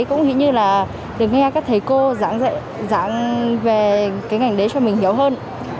cũng như là được nghe các thầy cô giảng về cái ngành đấy cho mình hiểu hơn